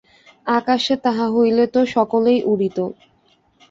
আকাশে তাহা হইলে তো সকলেই উড়িত!